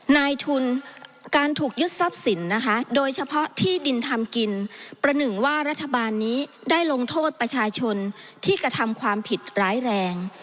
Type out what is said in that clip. นายทุนการถูกยึดทรัพย์สินนะคะโดยเฉพาะที่ดินทำกินประหนึ่งว่ารัฐบาลนี้ได้ลงโทษประชาชนที่กระทำความผิดร้ายแรง